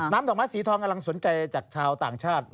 ดอกไม้สีทองกำลังสนใจจากชาวต่างชาติ